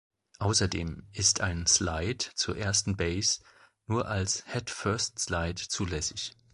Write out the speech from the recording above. Außerdem ist ein Slide zur ersten Base nur als Head First Slide zulässig.